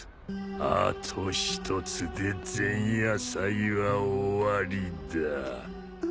あと１つで前夜祭は終わりだ。